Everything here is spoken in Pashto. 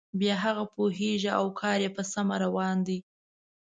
بیا هغه پوهیږي او کار یې په سمه روان دی.